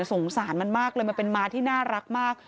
สงสารมันมากเลยมันเป็นม้าที่น่ารักมาก